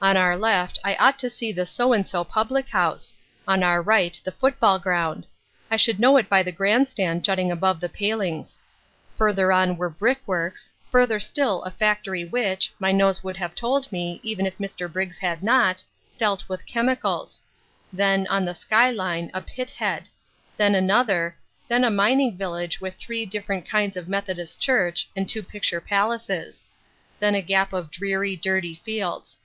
On our left I ought to see the so and so public house; on our right the football ground I should know it by the grand stand jutting above the palings; further on were brickworks; further still a factory which, my nose would have told me, even if Mr. Briggs had not, dealt with chemicals; then, on the skyline, a pit head; then another; then a mining village with three different kinds of methodist church and two picture palaces; then a gap of dreary, dirty fields.